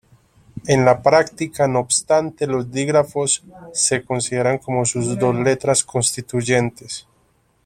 En la práctica, no obstante, los dígrafos se consideran como sus dos letras constituyentes.